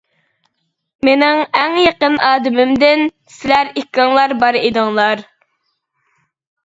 مېنىڭ ئەڭ يېقىن ئادىمىمدىن سىلەر ئىككىڭلار بار ئىدىڭلار.